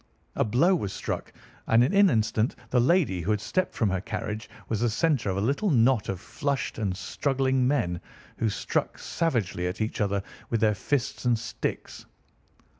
A blow was struck, and in an instant the lady, who had stepped from her carriage, was the centre of a little knot of flushed and struggling men, who struck savagely at each other with their fists and sticks.